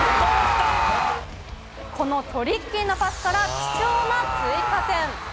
このトリッキーなパスから、貴重な追加点。